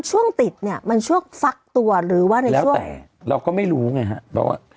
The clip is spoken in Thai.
ช่วงติดเนี่ยมันช่วงฟักตัวหรือว่าในช่วงแต่เราก็ไม่รู้ไงฮะเราอ่ะ